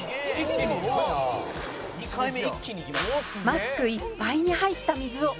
「マスクいっぱいに入った水を」